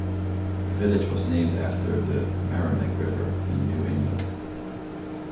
The village was named after the Merrimack River, in New England.